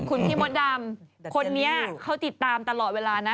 คนนี้เขาติดตามตลอดเวลานะ